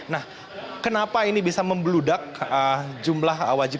nah kenapa ini bisa membeludak jumlah wajib